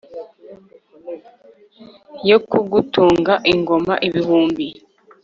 yo kugutunga ingoma ibihumbi